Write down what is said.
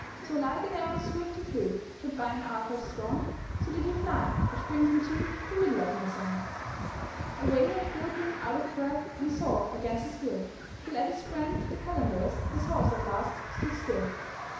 So like an arrow swift he flew, Shot by an archer strong; So did he fly which brings me to The middle of my song. Away went Gilpin, out of breath, And sore against his will, Till at his friend the calender's His horse at last stood still.